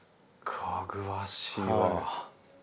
かぐわしいわ。